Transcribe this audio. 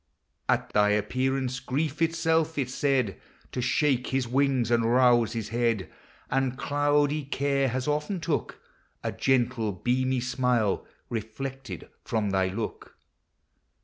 •••.., At thy appearance, Grief itself is said To shake his wings, and rouse his head : And cloudy Care has often took A gentle beamy smile, reflected from thy look.